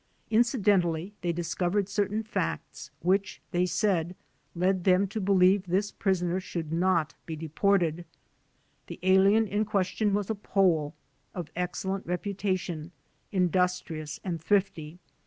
Incidentally they discovered certain facts which, they said, led them to believe this prisoner should not be de ported. The alien in question was a Pole, of excellent reputation, industrious and thrifty.